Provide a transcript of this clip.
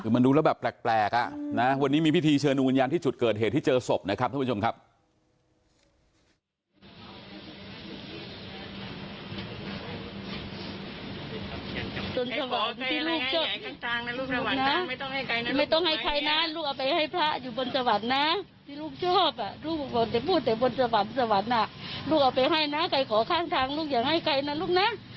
คือมันดูแล้วแบบแปลกวันนี้มีพิธีเชิญดวงวิญญาณที่จุดเกิดเหตุที่เจอศพนะครับท่านผู้ชมครับ